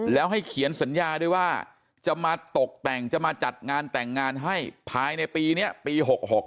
แล้วให้เขียนสัญญาด้วยว่าจะมาตกแต่งจะมาจัดงานแต่งงานให้ภายในปีนี้ปี๖๖